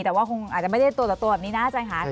แต่ว่าคงอาจจะไม่ได้ตัวต่อตัวแบบนี้นะอาจารย์ค่ะ